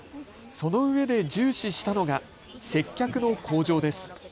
そのうえで重視したのが接客の向上です。